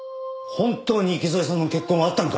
本当に池添さんの血痕はあったのか？